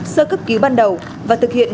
sơ cấp cứu ban đầu và thực hiện